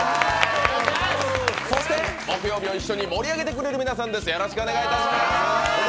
そして木曜日を一緒に盛り上げてくれる皆さんです。